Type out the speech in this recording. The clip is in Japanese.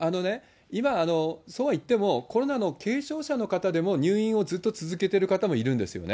今、そうはいっても、コロナの軽症者の方でも入院をずっと続けてる方もいるんですよね。